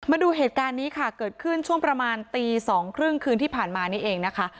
มาดูเหตุการณ์นี้ค่ะเกิดขึ้นช่วงประมาณตีสองครึ่งคืนที่ผ่านมานี่เองนะคะ